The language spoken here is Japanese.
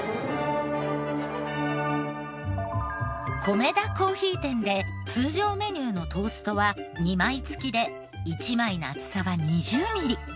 コメダ珈琲店で通常メニューのトーストは２枚付きで１枚の厚さは２０ミリ。